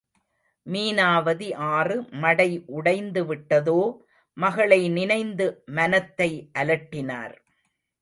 மீனாவதி ஆறு மடை உடைந்துவிட்டதோ, மகளை நினைந்து மனத்தை அலட்டினார்.